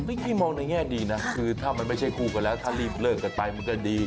พี่มองในแง่ดีนะคือถ้ามันไม่ใช่คู่กันแล้วถ้ารีบเลิกกันไปมันก็ดี